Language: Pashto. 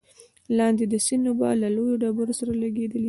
لاندې د سيند اوبه له لويو ډبرو سره لګېدلې،